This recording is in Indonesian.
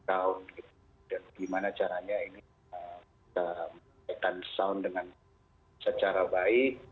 dan bagaimana caranya ini kita memperbaikkan sound dengan secara baik